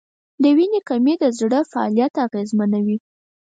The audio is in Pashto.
د وینې کمی د زړه فعالیت اغېزمنوي.